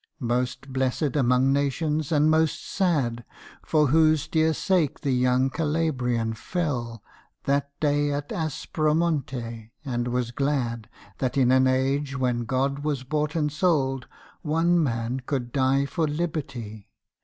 Most blessed among nations and most sad, For whose dear sake the young Calabrian fell That day at Aspromonte and was glad That in an age when God was bought and sold One man could die for Liberty!